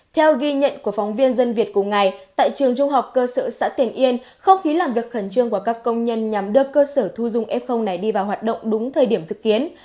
theo ghi nhận của phóng viên dân việt cùng ngày tại trường trung học cơ sở xã tiền yên không khí làm việc khẩn trương của các công nhân nhằm đưa cơ sở thu dung f này đi vào hoạt động đúng thời điểm dự kiến